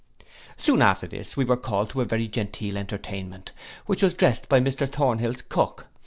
Soon after this we were called to a very genteel entertainment, which was drest by Mr Thornhill's cook.